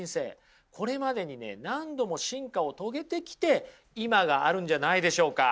これまでにね何度も進化を遂げてきて今があるんじゃないんでしょうか。